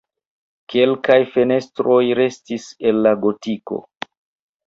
Kelkaj fenestroj restis el la gotiko.